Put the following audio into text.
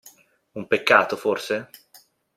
Un peccato, forse?